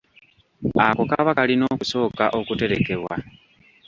Ako kaba kalina okusooka okuterekebwa.